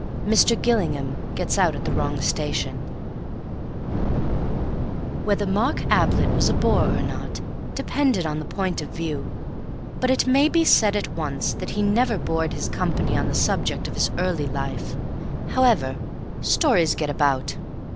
Mr. Gillingham Gets Out at the Wrong Station Whether Mark Ablett was a bore or not depended on the point of view, but it may be said at once that he never bored his company on the subject of his early life. However, stories get about.